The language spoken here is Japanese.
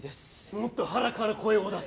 もっと腹から声を出せ。